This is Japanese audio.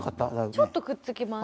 ちょっとくっつきます。